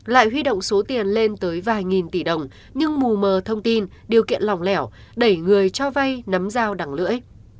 lại huy động số tiền lên tới vài nghìn tỷ đồng nhưng mù mờ thông tin điều kiện lỏng lẻo đẩy người cho vai nắm dao đằng lưỡi